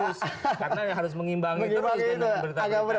karena harus mengimbangi terus